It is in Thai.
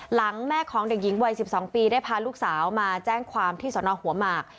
หลังแม่ของเด็กหญิงวัย๑๒ปีได้พาลูกสาวมาแจ้งความที่สนหัวหมาก